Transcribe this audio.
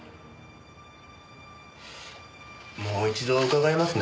もう一度伺いますね。